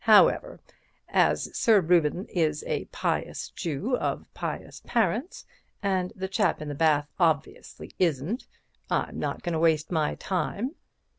However, as Sir Reuben is a pious Jew of pious parents, and the chap in the bath obviously isn't, I'm not going to waste my time.